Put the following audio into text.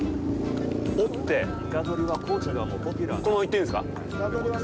このままいっていいんですか？